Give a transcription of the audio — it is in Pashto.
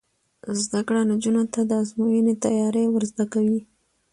زده کړه نجونو ته د ازموینې تیاری ور زده کوي.